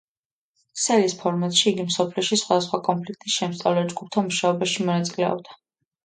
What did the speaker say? ქსელის ფორმატში იგი მსოფლიოში სხვადასხვა კონფლიქტის შემსწავლელ ჯგუფთა მუშაობაში მონაწილეობდა.